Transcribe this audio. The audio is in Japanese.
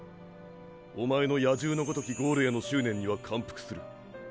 おまえの野獣のごときゴールへの執念には感服する。